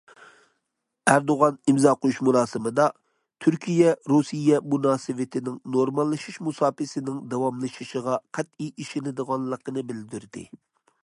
ئەردوغان ئىمزا قويۇش مۇراسىمىدا، تۈركىيە- رۇسىيە مۇناسىۋىتىنىڭ نورماللىشىش مۇساپىسىنىڭ داۋاملىشىشىغا قەتئىي ئىشىنىدىغانلىقىنى بىلدۈردى.